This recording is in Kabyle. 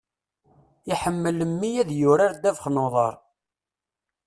Iḥemmel mmi ad yurar ddabex n uḍar.